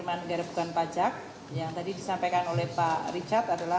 yang tadi disampaikan oleh pak richard adalah